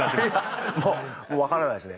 もうわからないですね。